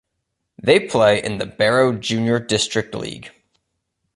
They play in the Barrow junior district league.